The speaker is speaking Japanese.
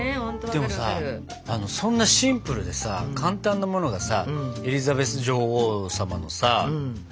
でもさそんなシンプルでさ簡単なものがさエリザベス女王様のさ好物なんでしょう？